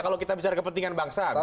kalau kita bicara kepentingan bangsa